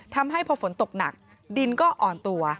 ทำให้พอฝนตกหนักดินก็อ่อนตัว